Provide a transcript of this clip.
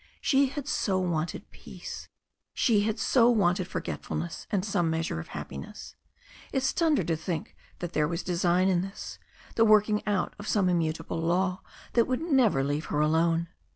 She had so wanted peace. She had so wanted forget fulness and some measure of happiness. It stunned her to think that there was design in this, the working out of some immutable law that would never leave her alone.